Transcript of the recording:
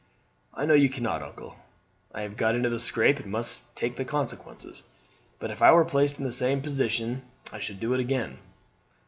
"I know you cannot, uncle. I have got into the scrape and must take the consequences; but if I were placed in the same position I should do it again."